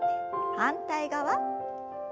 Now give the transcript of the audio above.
反対側。